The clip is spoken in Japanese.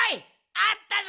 あったぞ！